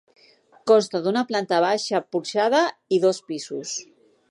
Consta d'una planta baixa porxada i dos pisos.